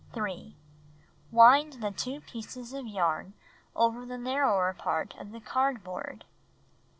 3. Wind the 2 pieces of yarn over the narrower part of the cardboard.